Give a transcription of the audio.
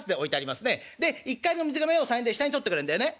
「で一荷入りの水がめを３円で下に取ってくれるんだよね」。